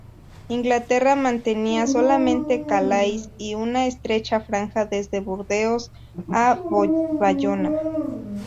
Inglaterra mantenía solamente Calais y una estrecha franja desde Burdeos a Bayona.